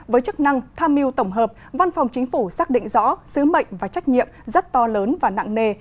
với chức năng tham mưu tổng hợp văn phòng chính phủ xác định rõ sứ mệnh và trách nhiệm rất to lớn và nặng nề